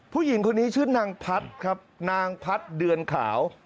ผู้หญิงคนนี้ชื่อนางพัดครับนางพัดเดือนขาว